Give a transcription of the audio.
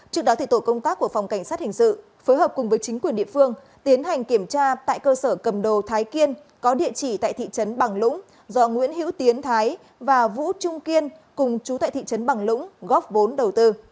trước đó tổ công tác của phòng cảnh sát hình sự phối hợp cùng với chính quyền địa phương tiến hành kiểm tra tại cơ sở cầm đồ thái kiên có địa chỉ tại thị trấn bằng lũng do nguyễn hữu tiến thái và vũ trung kiên cùng chú tại thị trấn bằng lũng góp vốn đầu tư